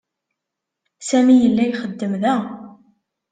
Sami yella ixeddem da.